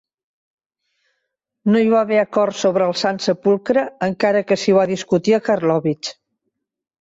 No hi va haver acord sobre el Sant Sepulcre, encara que s'hi va discutir a Karlowitz.